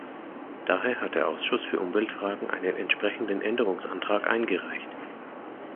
Daher hat der Ausschuss für Umweltfragen einen entsprechenden Änderungsantrag eingereicht.